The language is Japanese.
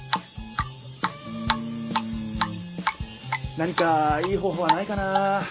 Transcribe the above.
何かいい方ほうはないかな？